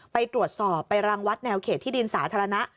ไปตรวจสอบไปรังวัดแนวเขตที่ดินสาธารณะ